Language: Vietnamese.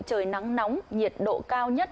trời nắng nóng nhiệt độ cao nhất